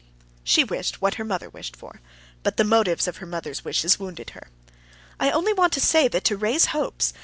She wished for what her mother wished for, but the motives of her mother's wishes wounded her. "I only want to say that to raise hopes...."